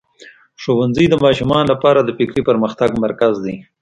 ښوونځی د ماشومانو لپاره د فکري پرمختګ مرکز دی.